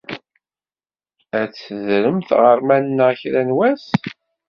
Ad tedrem tɣerma-nneɣ kra n wass?